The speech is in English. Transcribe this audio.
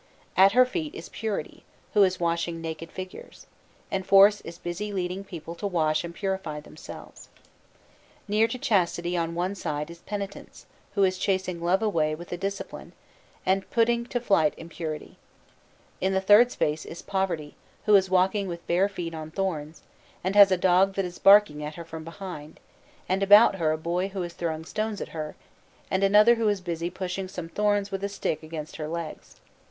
At her feet is Purity, who is washing naked figures; and Force is busy leading people to wash and purify themselves. Near to Chastity, on one side, is Penitence, who is chasing Love away with a Discipline, and putting to flight Impurity. In the third space is Poverty, who is walking with bare feet on thorns, and has a dog that is barking at her from behind, and about her a boy who is throwing stones at her, and another who is busy pushing some thorns with a stick against her legs.